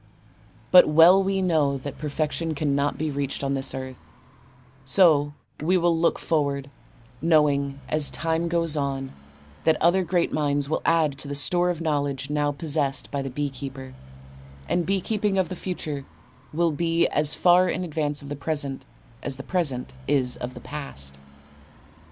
But well we know that perfection cannot be reached on this earth, and so we will look forward, knowing as time goes on that other great minds will add to the store of knowledge now possessed by the bee keeper, and bee keeping of the future will be as far in advance of the present as the present is of the past.